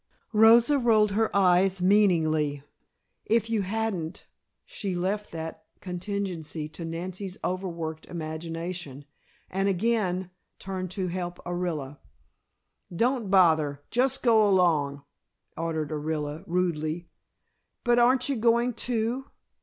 Rosa rolled her eyes meaningly. "If you hadn't " She left that contingency to Nancy's over worked imagination, and again turned to help Orilla. "Don't bother; just go along," ordered Orilla rudely. "But aren't you going too?"